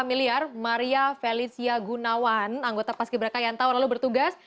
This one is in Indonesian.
pembeli familiar maria felicia gunawan anggota pas ki braka yang tahu lalu bertugas